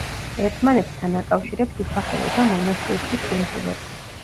ერთმანეთთან აკავშირებს უსახელო და მონასტირკის კუნძულებს.